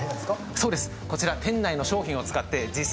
そうですこちら出たよ